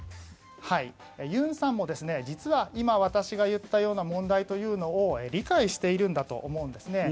尹さんも実は今、私が言ったような問題を理解しているんだと思うんです。